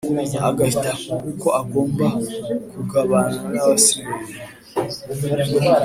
agahitamo uko agomba kugabana nabasigaye.